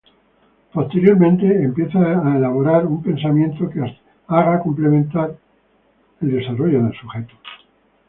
Posteriormente empieza a elaborar un pensamiento que haga complementar el desarrollo del sujeto.